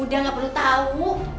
udah nggak perlu tau